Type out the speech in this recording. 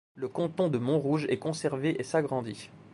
Le canton de Montrouge est conservé et s'agrandit.